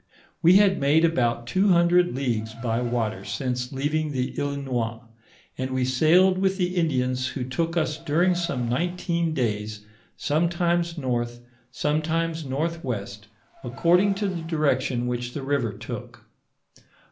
We had made about two hundred leagues by water since leaving the Islinois, and we sailed with the Indians who togk us during somie nineteen days, sometimes north, sometimes northwest, according to the direction which the river took.